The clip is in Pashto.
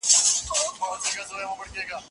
که سانسور ختم سي د مطالعې کچه به لوړه سي.